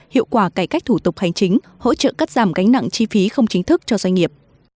hiệu quả cải cách thủ tục hành chính hỗ trợ cắt giảm gánh nặng chi phí không chính thức cho doanh nghiệp